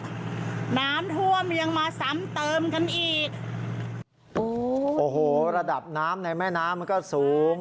น้ำท่วมยังมาซ้ำเติมกันอีกโอ้โหโอ้โหระดับน้ำในแม่น้ำมันก็สูง